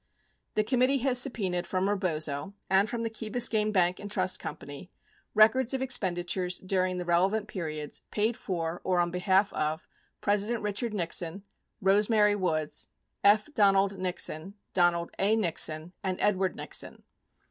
The committee has subpenaed from Rebozo and from the Key Bis cayne Bank & Trust Co. records of expenditures during the relevant periods paid for or on behalf of President Richard Nixon, Rose Mary Woods, F. Donald Nixon, Donald A. Nixon, and Edward Nixon.